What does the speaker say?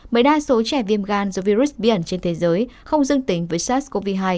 bởi đa số trẻ viêm gan do virus biển trên thế giới không dương tính với sars cov hai